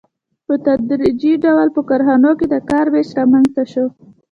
په تدریجي ډول په کارخانو کې د کار وېش رامنځته شو